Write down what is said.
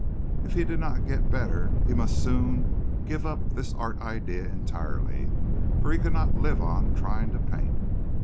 If he did not get better he must soon give up this art idea entirely, for he could not live on trying to paint.